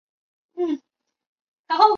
扶余郡是古百济国的首都。